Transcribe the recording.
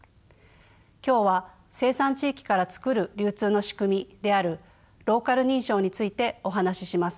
今日は生産地域から創る流通の仕組みであるローカル認証についてお話しします。